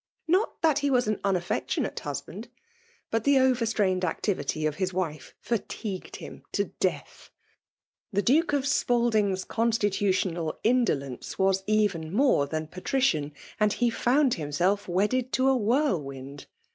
Not that he was an unaffectionate husband ; but the overstrained activity of his wife fatigued him to death. The Duke of Spalding's con stittttional indolence was even more than patri* cian, and he found himself wedded to a whirl wind